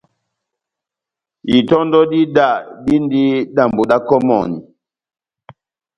Itɔndɔ dá ida dindi dambi da kɔmɔni